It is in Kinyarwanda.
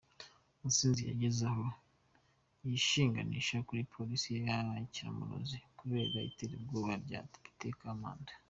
Mutsinzi yageze aho yishinganisha kuri polisi ya Kiramuruzi kubera iterabwoba rya Depute Kamanda.